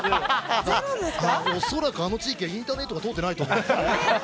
恐らくあの地域はインターネットが通ってないと思います。